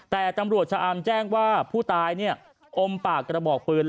แต่ตำรวจชะอำแจ้งว่าผู้ตายอมปากกระบอกปืน